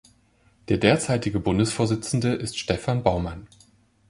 Der derzeitige Bundesvorsitzende ist Stephan Baumann.